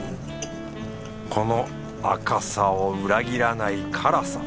この赤さを裏切らない辛さ。